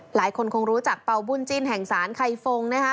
หลายคนคงรู้จักเป่าบุญจิ้นแห่งสารไข่ฟงนะคะ